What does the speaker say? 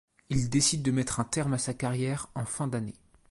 Il décide de mettre un terme à sa carrière en fin d'année.